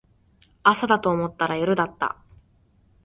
朝だと思ったら夜だった